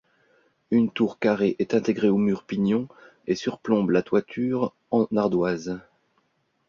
Une tour carrée est intégrée au mur pignon et surplombe la toiture en ardoise.